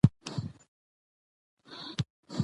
افغانستان په خپلو مېړنیو بزګانو باندې پوره تکیه لري.